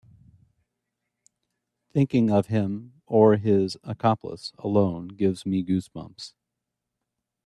Thinking of him or his accomplice alone gives me goose bumps.